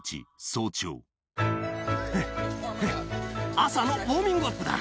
朝のウォーミングアップだ。